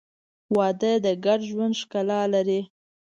• واده د ګډ ژوند ښکلا لري.